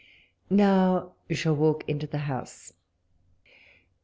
Now you shall walk into the house.